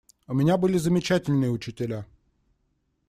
У меня были замечательные учителя.